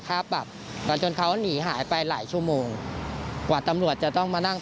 ค่าปรับจนเขาหนีหายไปหลายชั่วโมงกว่าตำรวจจะต้องมานั่ง